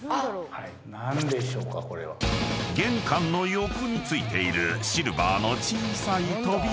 ［玄関の横に付いているシルバーの小さい扉］